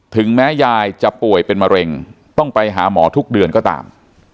ถึงแม้ยายจะป่วยเป็นมะเร็งต้องไปหาหมอทุกเดือนก็ตาม